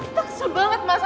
aku kesel banget sama arka